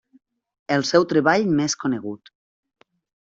El seu treball més conegut.